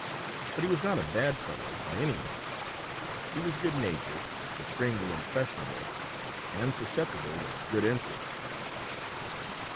But he was not a bad fellow, by any means. He was good natured, extremely impressionable, and susceptible of good influences.